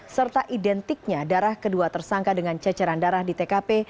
serta identiknya darah kedua tersangka dengan ceceran darah di tkp